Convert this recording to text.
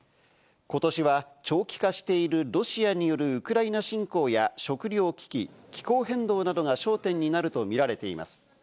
ことしは長期化しているロシアによるウクライナ侵攻や食糧危機、気候変動などが焦点になると見られています。